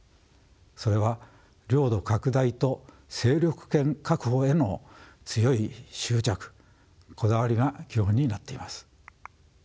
それは領土拡大と勢力圏確保への強い執着こだわりが基本になっています。